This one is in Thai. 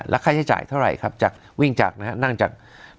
ค่าใช้จ่ายเท่าไหร่ครับจากวิ่งจากนะครับนั่งจาก